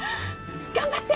頑張って！